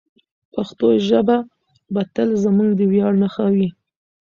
پښتو ژبه به تل زموږ د ویاړ نښه وي.